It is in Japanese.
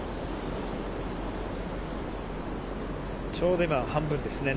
ちょうど今半分ですね。